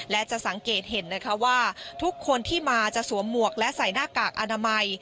และจะสังเกตเห็นนะคะว่าทุกคนที่มาจะสวมหมวกและใส่หน้ากากอนามัย